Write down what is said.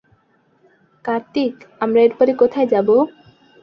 কার্তিক, আমরা এরপরে কোথায় যাব?